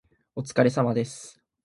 お疲れ様です。